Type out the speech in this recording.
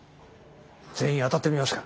全員当たってみますか？